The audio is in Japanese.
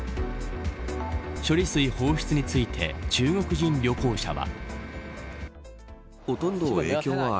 処理水放出について中国人旅行者は。